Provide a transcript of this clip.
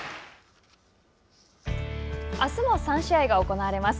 あすも３試合が行われます。